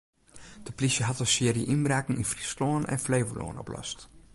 De plysje hat in searje ynbraken yn Fryslân en Flevolân oplost.